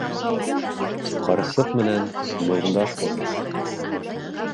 Ҡарсыҡ менән моңдаш булма